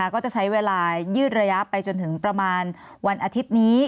ก็จะใช้เวลายืดระยะไปจนถึงประมาณวันอาทิตย์นี้